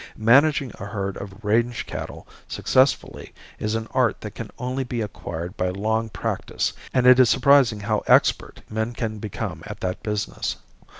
Managing a herd of range cattle successfully is an art that can only be acquired by long practice, and it is surprising how expert men can become at that business.